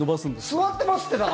座ってますってだから。